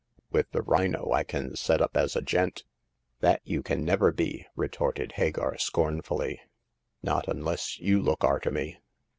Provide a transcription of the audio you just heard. With the rhino I can set up as a gent *'That you can never be !" retorted Hagar, scornfully. Not unless you look arter me.